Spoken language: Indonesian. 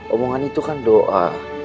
omongan itu kan doa